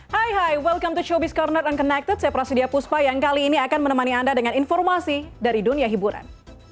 hai hai welcome to showbiz corner unconnected saya prasidya puspa yang kali ini akan menemani anda dengan informasi dari dunia hiburan